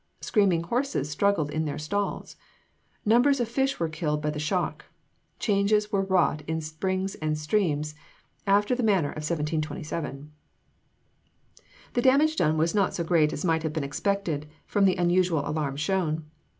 Screaming horses struggled in their stalls. Numbers of fish were killed by the shock. Changes were wrought in springs and streams, after the manner of 1727. The damage done was not so great as might have been expected from the unusual alarm shown.